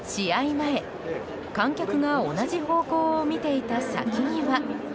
前、観客が同じ方向を見ていた先には。